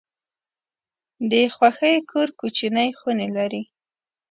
د خوښۍ کور کوچني خونې لري.